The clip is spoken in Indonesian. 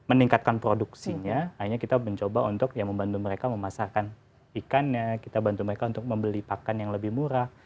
meningkatkan produksinya akhirnya kita mencoba untuk membantu mereka memasarkan ikannya kita bantu mereka untuk membeli pakan yang lebih murah